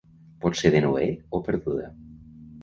Pot ser de Noè o perduda.